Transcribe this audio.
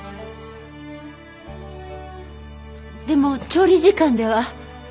でも調理時間では。